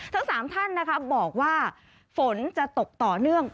ทั้ง๓ท่านนะคะบอกว่าฝนจะตกต่อเนื่อง